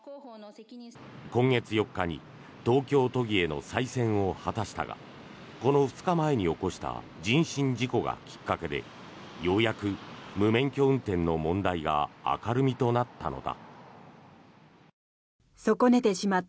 今月４日に東京都議への再選を果たしたがこの２日前に起こした人身事故がきっかけでようやく無免許運転の問題が明るみとなったのだ。